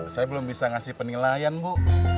saya belum bisa ngasih penilaian bu